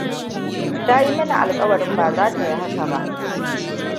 Ta yi mini alkawarin ba za ta yi haka ba.